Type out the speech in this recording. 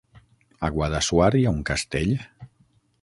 A Guadassuar hi ha un castell?